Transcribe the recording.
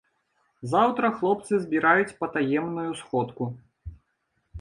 Заўтра хлопцы збіраюць патаемную сходку.